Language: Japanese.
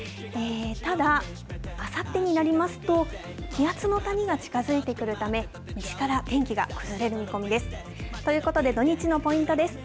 ただ、あさってになりますと、気圧の谷が近づいてくるため、西から天気が崩れる見込みです。ということで土日のポイントです。